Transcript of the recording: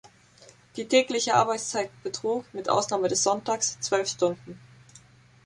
Die tägliche Arbeitszeit betrug, mit Ausnahme des Sonntags, zwölf Stunden.